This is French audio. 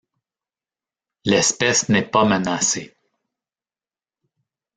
L'espèce n'est pas menacée.